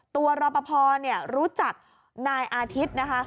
ตัวรอปภรู้จักนายอาทิตย์